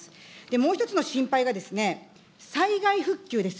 もう一つの心配が、災害復旧です。